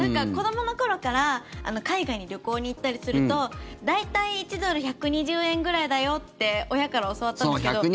子どもの頃から海外に旅行に行ったりすると大体１ドル＝１２０円ぐらいだよって親から教わったんですけど。